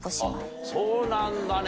そうなんだね